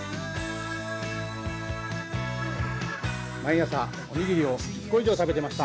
毎朝、おにぎりを１０個以上食べていました。